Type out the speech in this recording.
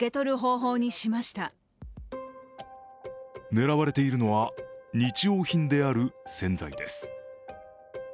狙われているのは日用品である洗剤です。